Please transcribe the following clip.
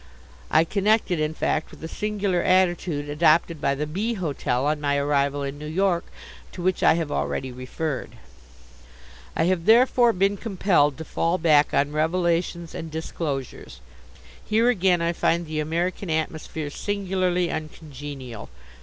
I connect it, in fact, with the singular attitude adopted by the B. hotel on my arrival in New York, to which I have already referred. I have therefore been compelled to fall back on revelations and disclosures. Here again I find the American atmosphere singularly uncongenial.